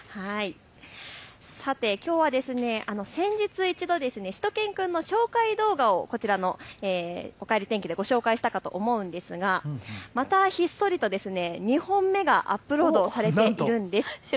さて、きょうは先日一度、しゅと犬くんの紹介動画をおかえり天気でご紹介したかと思うんですがまたひっそりと２本目がアップロードされているんです。